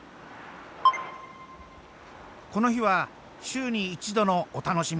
この日は週に一度のお楽しみ。